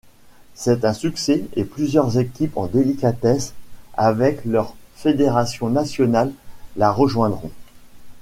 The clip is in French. C'est un succès et plusieurs équipes en délicatesse avec leur fédération nationale, la rejoindront.